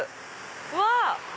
うわ！